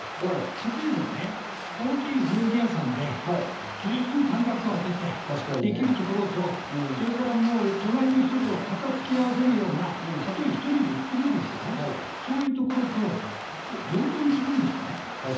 例えば大きい料理屋さんで十分、間隔を空けてできるところと、隣の人と肩をつき合わせるような、たとえ１人で行っても、そういうところと同等にするんですか？